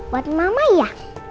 buat mama ya